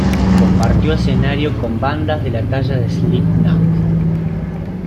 Compartió escenario con bandas de la talla de Slipknot.